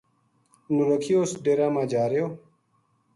نولکھیو اس ڈیرے ما جا رہیو